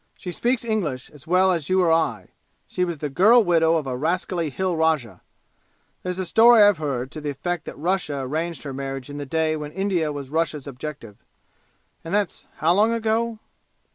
She speaks English as well as you or I. She was the girl widow of a rascally Hill rajah. There's a story I've heard, to the effect that Russia arranged her marriage in the day when India was Russia's objective and that's how long ago?